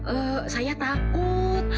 eh saya takut